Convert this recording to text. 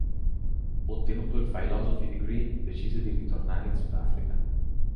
Ottenuto il Philosophy Degree decise di ritornare in Sud Africa.